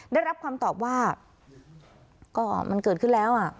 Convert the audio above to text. ได้รับคำตอบว่าก็มันเกิดขึ้นแล้ว